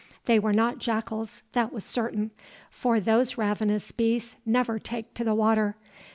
They were not jackals that was certain; for those ravenous beasts never take to the water.